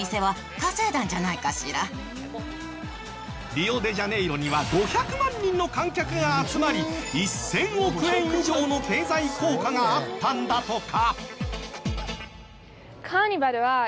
リオデジャネイロには５００万人の観客が集まり１０００億円以上の経済効果があったんだとか。